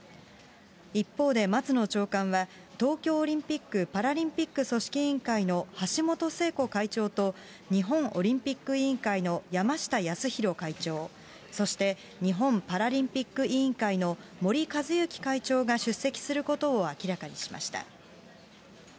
一方で、松野長官は、東京オリンピック・パラリンピック組織委員会の橋本聖子会長と、日本オリンピック委員会の山下やすひろ会長、そして日本パラリンピック委員会の森かずゆき会長が出席することを明らかにしました。